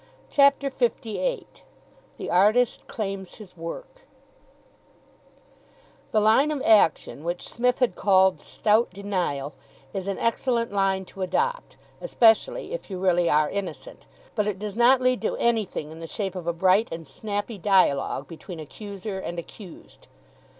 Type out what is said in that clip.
CHAPTER LVIII THE ARTIST CLAIMS HIS WORK The line of action which Psmith had called Stout Denial is an excellent line to adopt, especially if you really are innocent, but it does not lead to anything in the shape of a bright and snappy dialogue between accuser and accused.